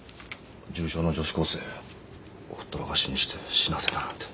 重傷の女子高生ほったらかしにして死なせたなんて。